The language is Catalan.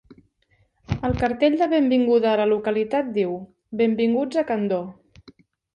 El cartell de benvinguda a la localitat diu: Benvinguts a Candor.